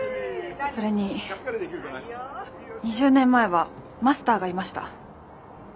それに２０年前はマスターがいました。